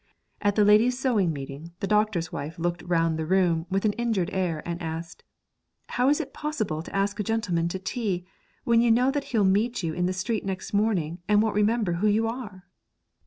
At the ladies' sewing meeting the doctor's wife looked round the room with an injured air and asked: 'How is it possible to ask a gentleman to tea when you know that he'll meet you in the street next morning and won't remember who you are?'